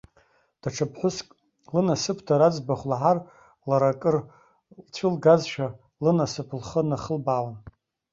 Даҽа ԥҳәыск лынасыԥдара аӡбахә лаҳар, лара акыр лцәылгазшәа, лынасыԥ лхы нахылбаауан.